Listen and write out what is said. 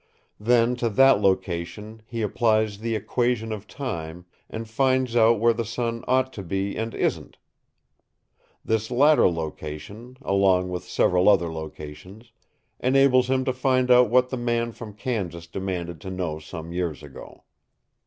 Then to that location he applies the Equation of Time and finds out where the sun ought to be and isn't. This latter location, along with several other locations, enables him to find out what the man from Kansas demanded to know some years ago.